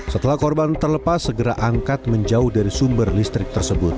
setelah korban terlepas segera angkat menjauh dari sumber listrik tersebut